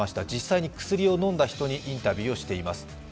実際に薬を飲んだ人にインタビューをしています。